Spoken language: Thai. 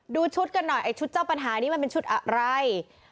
ดูชุดกันหน่อยไอ้ชุดเจ้าปัญหานี้มันเป็นชุดอะไร